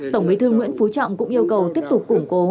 tổng bí thư nguyễn phú trọng cũng yêu cầu tiếp tục củng cố